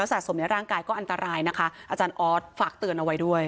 แล้วสะสมในร่างกายก็อันตรายนะคะออฝากเตือนเอาไว้ด้วย